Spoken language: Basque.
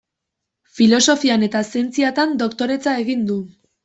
Filosofian eta Zientziatan doktoretza egin du.